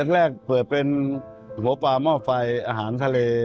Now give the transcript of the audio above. แรกเปิดเป็นหัวปลาหม้อไฟอาหารทะเล